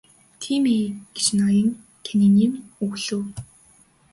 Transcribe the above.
Тийм ээ гэж ноён Каннингем өгүүлэв.